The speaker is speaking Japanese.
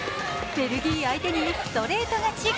ベルギー相手にストレート勝ち。